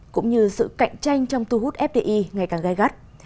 cũng như sự cạnh tranh trong thu hút fdi ngày càng gai gắt